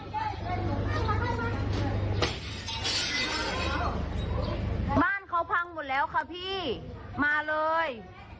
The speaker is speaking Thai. บ้านเขาพังหมดแล้วค่ะพี่มาเลย